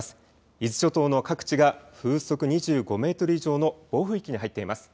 伊豆諸島の各地が風速２５メートル以上の暴風域に入っています。